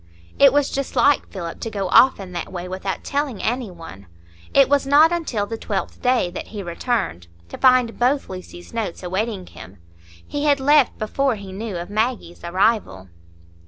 It was just like Philip, to go off in that way without telling any one. It was not until the twelfth day that he returned, to find both Lucy's notes awaiting him; he had left before he knew of Maggie's arrival.